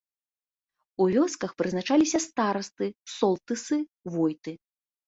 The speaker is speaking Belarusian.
У вёсках прызначаліся старасты, солтысы, войты.